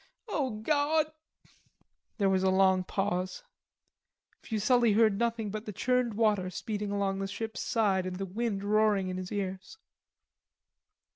"O God." There was a long pause. Fuselli heard nothing but the churned water speeding along the ship's side and the wind roaring in his ears.